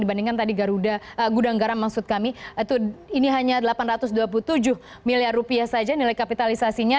dari kan tadi gudang garam maksud kami ini hanya rp delapan ratus dua puluh tujuh miliar saja nilai kapitalisasinya